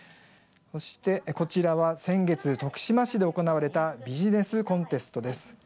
こちらは先月、徳島市で行われたビジネスコンテストです。